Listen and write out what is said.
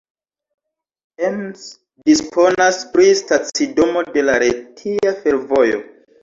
Ems disponas pri stacidomo de la Retia Fervojo.